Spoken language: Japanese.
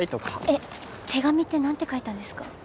えっ手紙って何て書いたんですか？